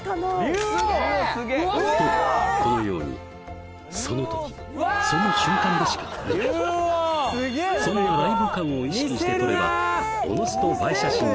竜王すげえとこのようにその時その瞬間でしか撮れないそんなライブ感を意識して撮ればおのずと映え写真になるという